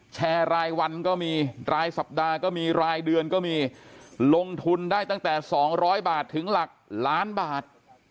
แชร์รายวันก็มีรายสัปดาห์ก็มีรายเดือนก็มีลงทุนได้ตั้งแต่๒๐๐บาทถึงหลักล้านบาท